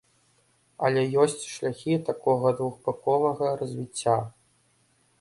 Але ёсць шляхі такога двухбаковага развіцця.